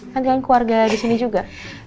kan kan keluarga disini juga